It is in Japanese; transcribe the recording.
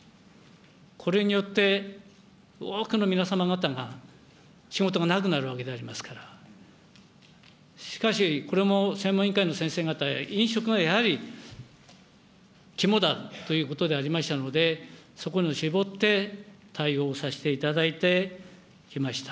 これによって、多くの皆様方が仕事がなくなるわけでありますから、しかし、これも専門委員会の先生方は、飲食がやはり肝だということでありましたので、そこに絞って対応をさせていただいてきました。